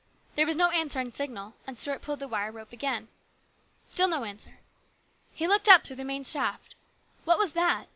There was no answering signal, and Stuart pulled the wire rope again. Still no answer. He looked up through the main shaft. What was that